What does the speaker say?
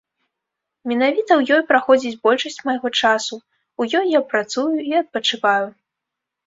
Менавіта ў ёй праходзіць большасць майго часу, у ёй я працую і адпачываю.